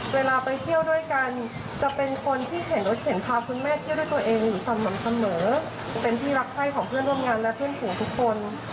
เวลาไปเที่ยวด้วยกันจะเป็นคนที่เข็นรถเข็นพาคุณแม่เที่ยวด้วยตัวเองสม่ำเสมอเป็นที่รักไข้ของเพื่อนร่วมงานและเพื่อนฝูงทุกคน